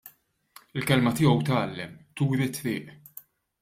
Il-kelma tiegħu tgħallem, turi t-triq.